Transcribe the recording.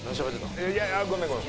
いやいやごめんごめん。